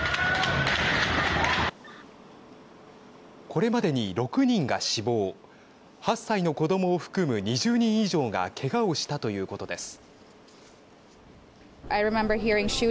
これまでに６人が死亡８歳の子どもを含む２０人以上がけがをしたということです。